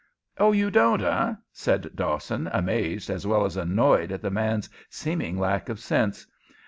"Oh, you don't, eh?" said Dawson, amazed as well as annoyed at the man's seeming lack of sense.